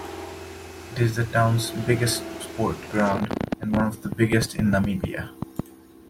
It is the towns biggest sport ground and one of the biggest in Namibia.